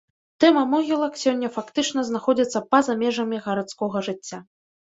Тэма могілак сёння фактычна знаходзіцца па-за межамі гарадскога жыцця.